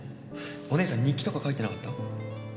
お姉さん日記とか書いてなかった？